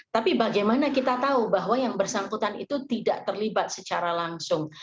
tapi bagaimana kita tahu bahwa yang bersangkutan itu tidak terlibat secara langsung